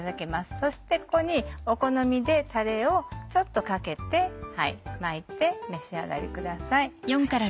そしてここにお好みでたれをちょっとかけて巻いて召し上がりください。